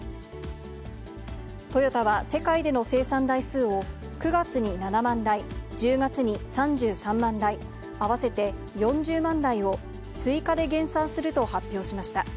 トヨタは世界での生産台数を、９月に７万台、１０月に３３万台、合わせて４０万台を追加で減産すると発表しました。